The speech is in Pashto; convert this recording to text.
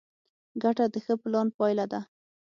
ګټه د ښه پلان پایله ده.